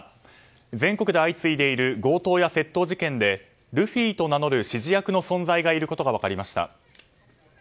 全国で相次いでいる強盗や窃盗事件でルフィと名乗る指示役の存在がいることが分かりました。